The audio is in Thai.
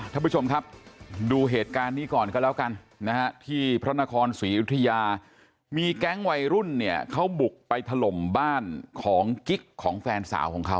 ท่านผู้ชมครับดูเหตุการณ์นี้ก่อนก็แล้วกันนะฮะที่พระนครศรีอยุธยามีแก๊งวัยรุ่นเนี่ยเขาบุกไปถล่มบ้านของกิ๊กของแฟนสาวของเขา